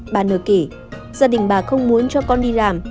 bà nờ kỉ gia đình bà không muốn cho con đi làm